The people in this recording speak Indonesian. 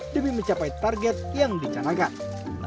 demi mencapai target yang dicanakan